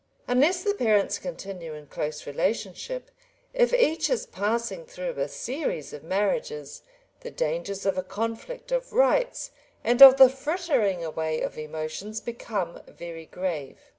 Unless the parents continue in close relationship, if each is passing through a series of marriages, the dangers of a conflict of rights, and of the frittering away of emotions, become very grave.